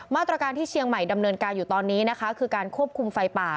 มาตรการที่เชียงใหม่ดำเนินการอยู่ตอนนี้นะคะคือการควบคุมไฟป่า